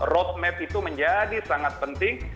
roadmap itu menjadi sangat penting